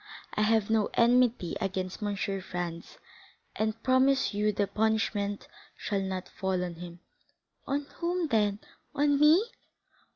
I have no enmity against M. Franz, and promise you the punishment shall not fall on him." "On whom, then!—on me?"